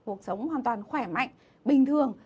một cuộc sống hoàn toàn khỏe mạnh bình thường